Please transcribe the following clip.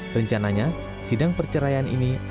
rencananya sidang perceraian ini akan diadakan